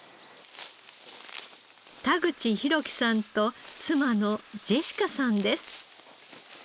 田口宏樹さんと妻のジェシカさんです。